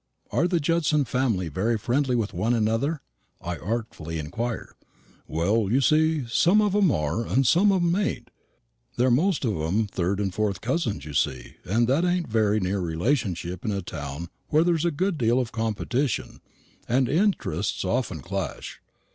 "Are the Judson family very friendly with one another?" I artfully inquired. "Well, you see, some of 'em are, and some of 'em ain't. They're most of 'em third and fourth cousins, you see, and that ain't a very near relationship in a town where there's a good deal of competition, and interests often clash.